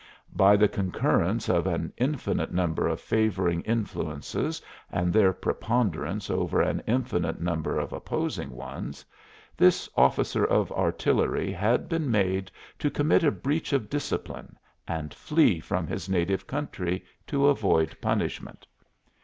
By the concurrence of an infinite number of favoring influences and their preponderance over an infinite number of opposing ones, this officer of artillery had been made to commit a breach of discipline and flee from his native country to avoid punishment.